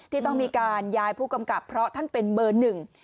ที่ต้องมีการย้ายผู้กำกับเพราะท่านเป็นเบอร์หนึ่ง